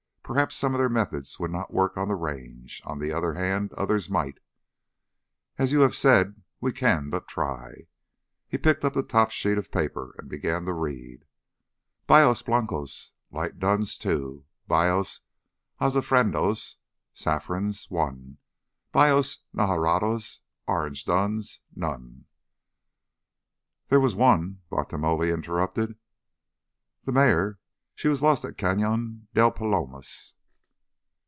Perhaps some of their methods would not work on the Range. On the other hand, others might. As you have said—we can but try." He picked up the top sheet of paper and began to read: "Bayos blancos—light duns—two. Bayos azafranados—saffrons—one. Bayos narajados—orange duns—none——" "There was one," Bartolomé interrupted. "The mare, she was lost at Cañon del Palomas."